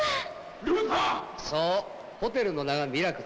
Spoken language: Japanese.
そうホテルの名はミラクル。